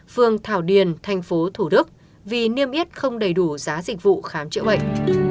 phường thảo điền thành phố thủ đức vì niêm yết không đầy đủ giá dịch vụ khám chữa bệnh